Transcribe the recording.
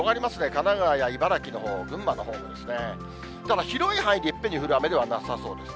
神奈川や茨城のほう、群馬のほうもですね、ただ、広い範囲にいっぺんに降る雨ではなさそうです。